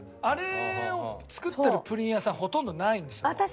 あれを作ってるプリン屋さんほとんどないんですよ